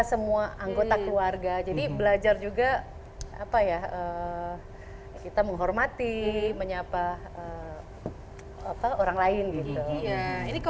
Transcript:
semua anggota keluarga jadi belajar juga apa ya kita menghormati menyapa apa orang lain gitu ya ini